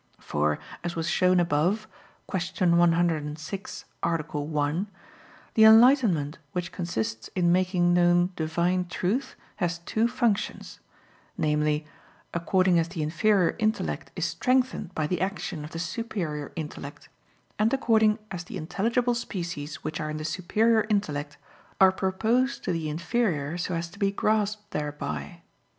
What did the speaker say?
For, as was shown above (Q. 106, A. 1), the enlightenment which consists in making known Divine truth has two functions; namely, according as the inferior intellect is strengthened by the action of the superior intellect, and according as the intelligible species which are in the superior intellect are proposed to the inferior so as to be grasped thereby.